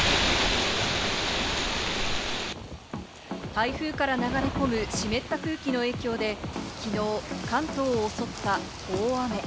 台風から流れ込む湿った空気の影響で、きのう、関東を襲った大雨。